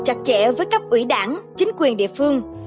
chặt chẽ với cấp ủy đảng chính quyền địa phương